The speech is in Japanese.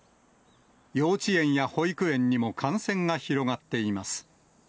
幼稚園や保育園にも感染が広がっています。